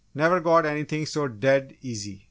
Never got anything so dead easy!